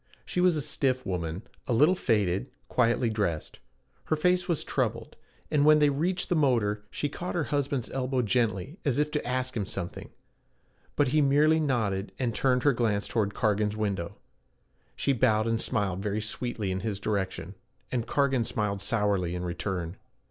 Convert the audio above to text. She was a stiff woman, a little faded, quietly dressed. Her face was troubled, and when they reached the motor, she caught her husband's elbow gently as if to ask him something, but he merely nodded and turned her glance toward Cargan's window. She bowed and smiled very sweetly in his direction, and Cargan smiled sourly in return.